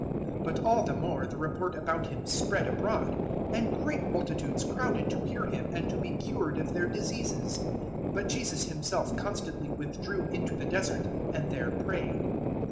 005:015 But all the more the report about Him spread abroad, and great multitudes crowded to hear Him and to be cured of their diseases; 005:016 but Jesus Himself constantly withdrew into the Desert and there prayed.